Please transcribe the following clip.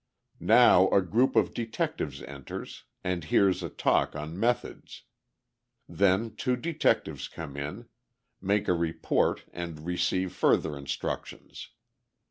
Now a group of detectives enters and hears a talk on methods. Then two detectives come in, make a report and receive further instructions.